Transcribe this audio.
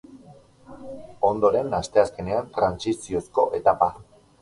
Ondoren, asteazkenean, trantsiziozko etapa.